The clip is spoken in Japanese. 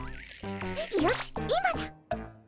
よし今だ！